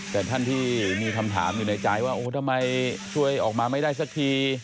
แต่ท่านที่มีคำถามอยู่ในใจว่าโอ้ทำไมช่วยออกมาไม่ได้สักที